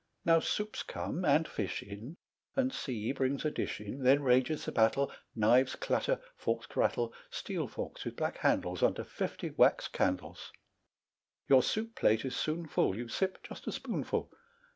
Now soups come and fish in, And C brings a dish in; Then rages the battle, Knives clatter, forks rattle, Steel forks with black handles, Under fifty wax candles; Your soup plate is soon full, You sip just a spoonful.